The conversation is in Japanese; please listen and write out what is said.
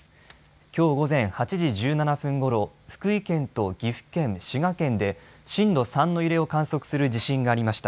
きょう午前８時１７分ごろ福井県と岐阜県、滋賀県で震度３の揺れを観測する地震がありました。